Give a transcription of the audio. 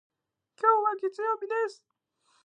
今日は月曜日です。